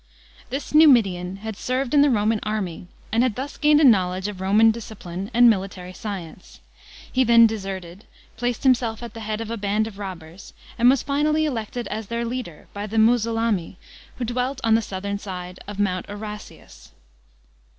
This Numidian had served in the Homan army, and had thus gained a knowledge of Roman discipline and military science. He then deserted, placed himself at the head of a band of robbers, and was finally elected as their leader by the Musulamij, who dwelt on the southern side of Mount Aurasius.